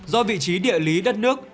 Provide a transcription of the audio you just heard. do vị trí địa lý đất nước